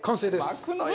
巻くのよ。